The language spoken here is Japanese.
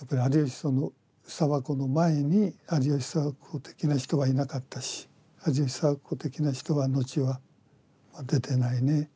やっぱり有吉佐和子の前に有吉佐和子的な人はいなかったし有吉佐和子的な人は後は出てないね。